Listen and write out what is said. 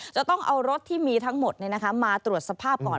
จะต้องเอารถที่มีทั้งหมดมาตรวจสภาพก่อน